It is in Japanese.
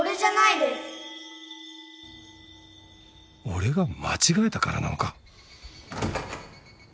俺が間違えたからなのか？